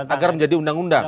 agar menjadi undang undang